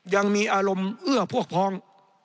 ยังมีอารมณ์เอื้อพวกพ้อง